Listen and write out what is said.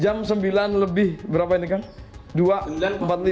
jam sembilan lebih berapa ini kang